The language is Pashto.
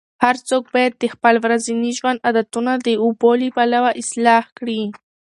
هر څوک باید د خپل ورځني ژوند عادتونه د اوبو له پلوه اصلاح کړي.